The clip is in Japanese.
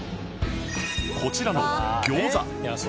こちらの餃子